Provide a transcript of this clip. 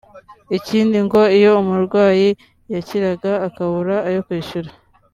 Ikindi ngo iyo umurwayi yakiraga akabura ayo kwishyura